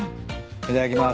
いただきます。